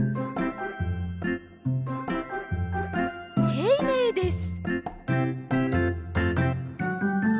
ていねいです。